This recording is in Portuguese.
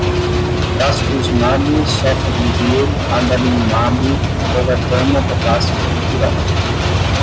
Trastuzumabe, sofosbuvir, adalimumabe, losartana potássica, dipirona